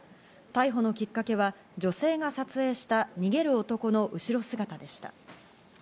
逮捕のきっかけは、女性が撮影した逃げる男の後ろ姿でした。